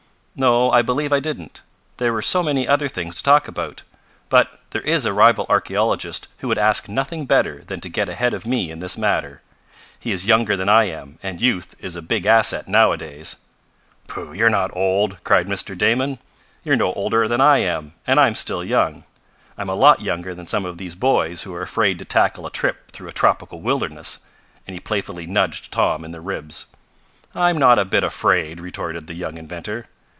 "No, I believe I didn't. There were so many other things to talk about. But there is a rival archaeologist who would ask nothing better than to get ahead of me in this matter. He is younger than I am, and youth is a big asset nowadays." "Pooh! You're not old!" cried Mr. Damon. "You're no older than I am, and I'm still young. I'm a lot younger than some of these boys who are afraid to tackle a trip through a tropical wilderness," and he playfully nudged Tom in the ribs. "I'm not a bit afraid!" retorted the young inventor.